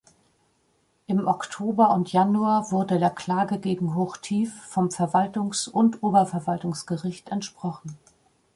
Im Oktober und Januar wurde der Klage gegen Hochtief vom Verwaltungs- und Oberverwaltungsgericht entsprochen.